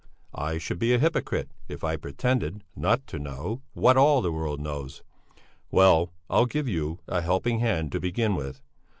I should be a hypocrite if I pretended not to know what all the world knows! Well, I'll give you a helping hand to begin with.